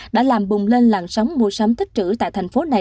đã làm bùng lên làn sóng mua sắm tích trữ tại thành phố này